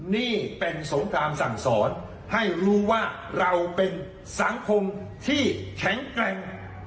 นี่เป็นสงครามสั่งสอนให้รู้ว่าเราเป็นสังคมที่แข็งแกร่ง